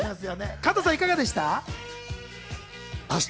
加藤さん、いかがでした？